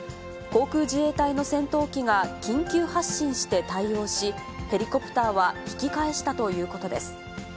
航空自衛隊の戦闘機が緊急発進して対応し、ヘリコプターは引き返したということです。